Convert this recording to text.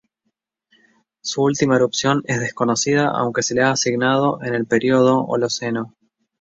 Su última erupción es desconocida aunque se le ha asignado en el periodo Holoceno.